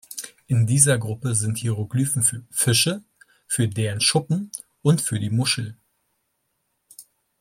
In dieser Gruppe sind Hieroglyphen für Fische, für deren Schuppen und für die Muschel.